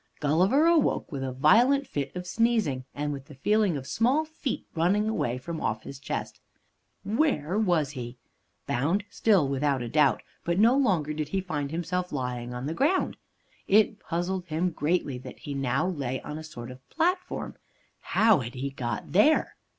Gulliver awoke with a violent fit of sneezing, and with the feeling of small feet running away from off his chest. Where was he? Bound still, without doubt, but no longer did he find himself lying on the ground. It puzzled him greatly that now he lay on a sort of platform. How had he got there?